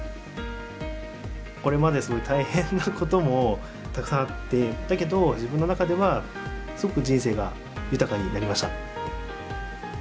これまで、すごい大変なこともたくさんあってだけど、自分の中ではすごく人生が豊かになりました。